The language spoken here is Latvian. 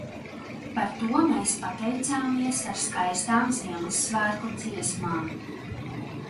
Par to mēs pateicāmies ar skaistām Ziemassvētku dziesmām.